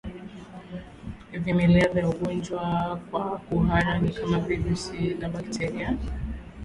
Vimelea vya ugonjwa wa kuhara ni kama virusi na bakteria